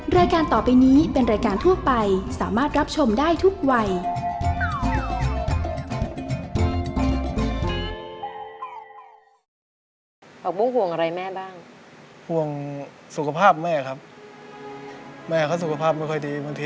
รายการต่อไปนี้เป็นรายการทั่วไปสามารถรับชมได้ทุกวัย